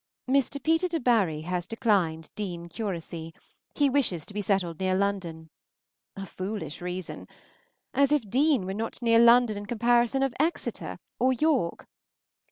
Mr. Peter Debary has declined Deane curacy; he wishes to be settled near London. A foolish reason! as if Deane were not near London in comparison of Exeter or York.